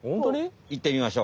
いってみましょう。